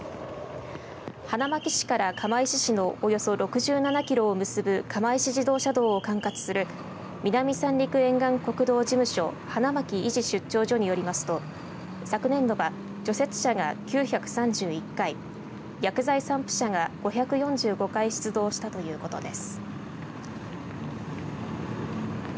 花巻市から釜石市のおよそ６７キロを結ぶ釜石自動車道を管轄する南三陸沿岸国道事務所花巻維持出張所によりますと昨年度は、除雪車が９３１回薬剤散布車が５４５回出動したということです。